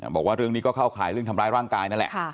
บอกว่าเรื่องนี้ก็เข้าข่ายเรื่องทำร้ายร่างกายนั่นแหละ